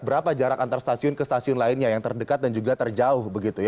berapa jarak antar stasiun ke stasiun lainnya yang terdekat dan juga terjauh